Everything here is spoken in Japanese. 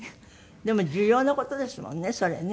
でも重要な事ですもんねそれね。